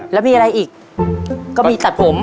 แล้วมีอะไรอีกก็มีตัดผม